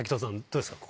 どうですか？